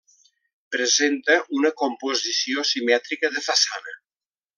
Presenta una composició simètrica de façana.